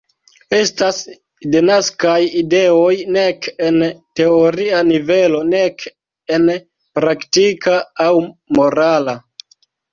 Estas denaskaj ideoj nek en teoria nivelo nek en praktika aŭ morala.